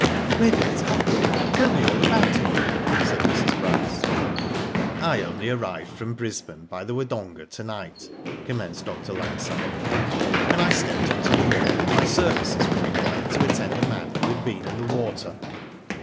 '* Where did it happen? Tell me all about it,'* said Mrs. Bryce. *' I only arrived from Brisbane by the Wodonga to night," commenced Dr. Langside, '* When I stepped on to the wharf my services were required to attend to a man who had been in the water."